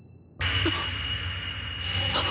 あっ！